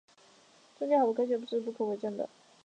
宗教和伪科学是不可证伪的。